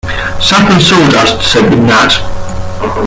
‘Sap and sawdust,’ said the gnat.